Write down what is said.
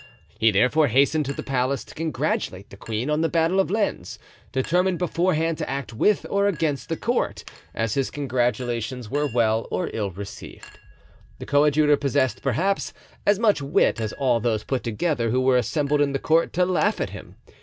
He therefore hastened to the palace to congratulate the queen on the battle of Lens, determined beforehand to act with or against the court, as his congratulations were well or ill received. The coadjutor possessed, perhaps, as much wit as all those put together who were assembled at the court to laugh at him.